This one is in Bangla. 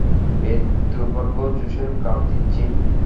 একটা দুর্ভাগা জুসের কাপ দিচ্ছি।